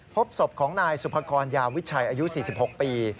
พบศพของนายสุภกรยาวิชัยอายุ๔๖ปี